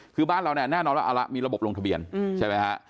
คือบ้านเราเนี่ยแน่นอนว่าเอาละมีระบบลงทะเบียนใช่ไหมฮะ